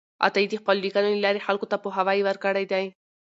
عطایي د خپلو لیکنو له لارې خلکو ته پوهاوی ورکړی دی.